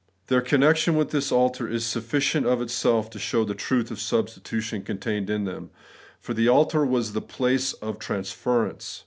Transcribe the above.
Their connection with the altar is sufficient of itself to show the truth of substitution contained in them, for the altar was the place of transference.